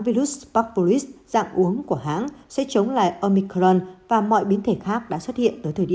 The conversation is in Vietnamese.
virus papporis dạng uống của hãng sẽ chống lại omicron và mọi biến thể khác đã xuất hiện tới thời điểm